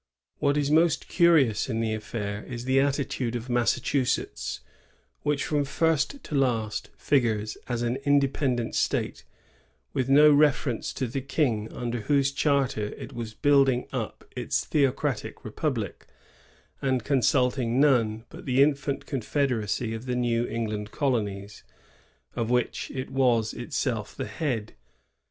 What is most curious in the affair is the attitude of Massa chusetts, which from first to last figures as an inde pendent State, with no reference to the King under whose charter it was building up its theocratic republic, and consulting none but the infant confed eracy of the New England colonies, of which it was itself the head.